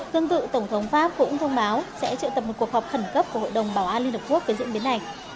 tương tự tổng thống pháp cũng thông báo sẽ triệu tập một cuộc họp khẩn cấp của hội đồng bảo an liên hợp quốc về diễn biến này